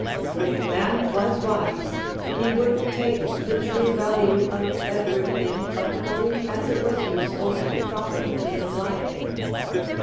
If man was wise, he would take the true value of every thing according as it was useful and proper to his life.